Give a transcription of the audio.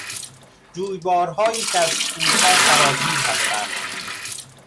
جویبارهایی که از کوهها سرازیر هستند.